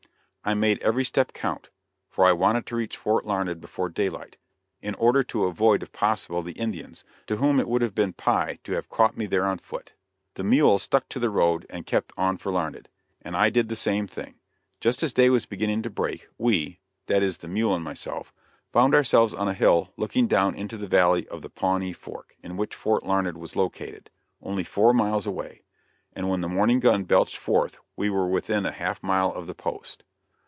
I made every step count, for I wanted to reach Fort Larned before daylight, in order to avoid if possible the Indians, to whom it would have been "pie" to have caught me there on foot. The mule stuck to the road and kept on for Larned, and I did the same thing. Just as day was beginning to break, we that is the mule and myself found ourselves on a hill looking down into the valley of the Pawnee Fork, in which Fort Larned was located, only four miles away; and when the morning gun belched forth we were within half a mile of the post.